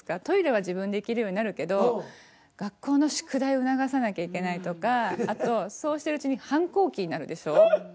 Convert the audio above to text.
トイレは自分でできるようになるけど学校の宿題を促さなきゃいけないとかあとそうしてるうちに反抗期になるでしょ。